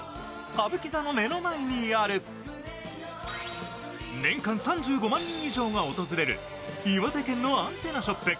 歌舞伎座の目の前にある、年間３５万人以上が訪れる岩手県のアンテナショップ